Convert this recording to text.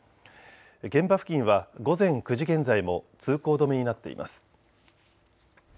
現場付近は午前９時現在も通行止めになっています。